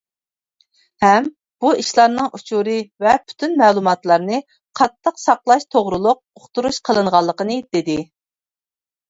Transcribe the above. ھەم بۇ ئىشلارنىڭ ئۇچۇرى ۋە پۈتۈن مەلۇماتلارنى قاتتىق ساقلاش توغرۇلۇق ئۇقتۇرۇش قىلىنغانلىقىنى دېدى .